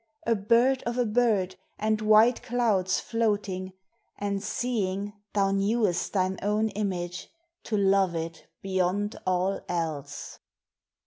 A bird of a bird and white clouds floating And seeing thou knewest thine own image To love it beyond all else.